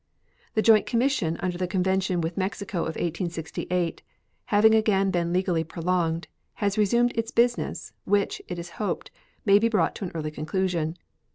The joint commission under the convention with Mexico of 1868, having again been legally prolonged, has resumed its business, which, it is hoped, may be brought to an early conclusion.